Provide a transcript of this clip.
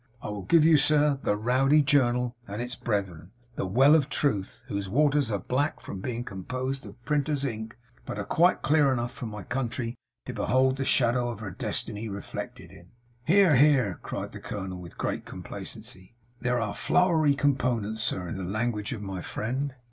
I will give you, sir, The Rowdy Journal and its brethren; the well of Truth, whose waters are black from being composed of printers' ink, but are quite clear enough for my country to behold the shadow of her Destiny reflected in.' 'Hear, hear!' cried the colonel, with great complacency. 'There are flowery components, sir, in the language of my friend?